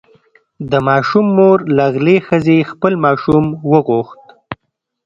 د ماشوم مور له غلې ښځې خپل ماشوم وغوښت.